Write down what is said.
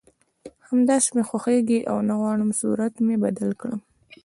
همداسې مې خوښېږي او نه غواړم صورت مې بدل کړم